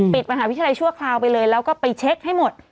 มหาวิทยาลัยชั่วคราวไปเลยแล้วก็ไปเช็คให้หมด